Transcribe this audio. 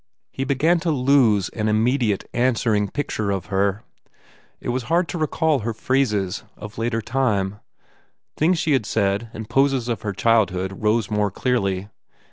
He began to lose an immediate, 281 THE FAIR REWARDS answering picture of her. It was hard to recall her phrases of later time. Things she had said and poses of her childhood rose more clearly.